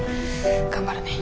頑張るね。